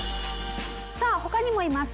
さあ他にもいます。